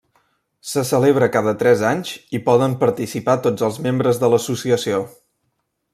Se celebra cada tres anys i poden participar tots els membres de l'associació.